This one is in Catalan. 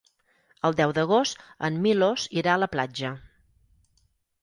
El deu d'agost en Milos irà a la platja.